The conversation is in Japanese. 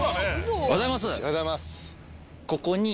おはようございます。